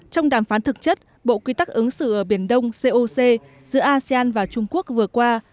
trong đàm phán thực chất bộ quy tắc ứng xử ở biển đông coc giữa asean và trung quốc vừa qua